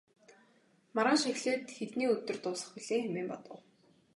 Маргааш эхлээд хэдний өдөр дуусах билээ хэмээн бодов.